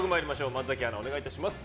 松崎アナ、お願いします。